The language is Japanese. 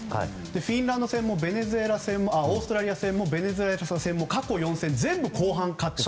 フィンランド戦もオーストラリア戦もベネズエラ戦も過去４戦後半に勝っていた。